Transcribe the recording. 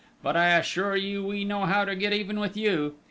But I assure you, we know how to get even with you!